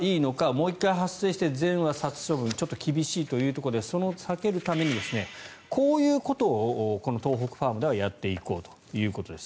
もう１回発生して全羽殺処分ちょっと厳しいということでそれを避けるためにこういうことをこの東北ファームではやっていくということです。